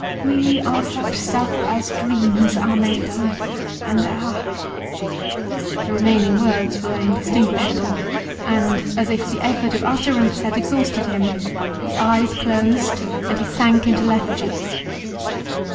"We are such stuff as dreams are made on, and our "' The remaining words were indistinguishable, and, as if the effort of utterance had exhausted him, his eyes closed, and he sank into lethargy.